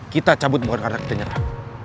kita cabut bukan karena kita nyerah